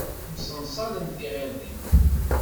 Msenṣalen tiɣeṛdin.